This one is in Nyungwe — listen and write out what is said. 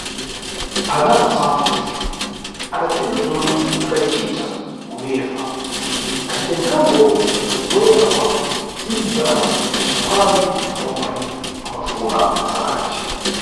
Arnaldo Santos adatenda bzwomwe adacita UEA, acitendambo kubwera kwa dzindza, axamwali na omwe ambafuna basa lace.